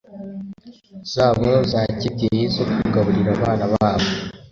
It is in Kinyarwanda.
zabo za kibyeyi zo kugaburira abana babo